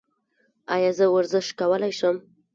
ایا زه ورزش کولی شم؟